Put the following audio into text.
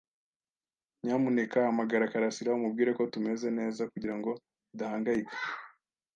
Nyamuneka hamagara karasira umubwire ko tumeze neza kugirango adahangayika.